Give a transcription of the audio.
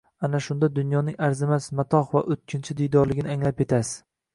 Ana shunda dunyoning arzimas matoh va o‘tkinchi diyorligini anglab yetasiz.